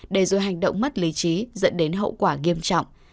để rồi hành động mất lý trí dẫn đến hậu quả nghiêm trọng